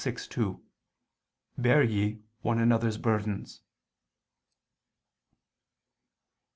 6:2: "Bear ye one another's burdens."